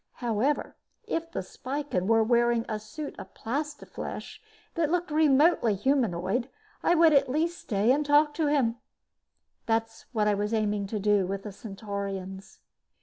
However, if the Spican was wearing a suit of plastiflesh that looked remotely humanoid, I would at least stay and talk to him. This was what I was aiming to do with the Centaurians.